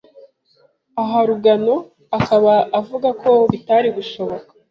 Aha Rugano akaba avuga ko bitari gushoboka